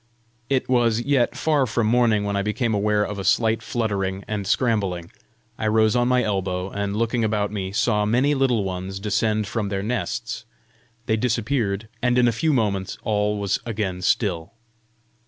It was yet far from morning when I became aware of a slight fluttering and scrambling. I rose on my elbow, and looking about me, saw many Little Ones descend from their nests. They disappeared, and in a few moments all was again still.